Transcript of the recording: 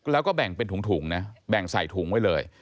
แล้วก็แบ่งเป็นถุงนะแบ่งใส่ถุงไว้เลย